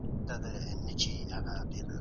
ایا تکړه پلورونکي وچه الوچه اخلي؟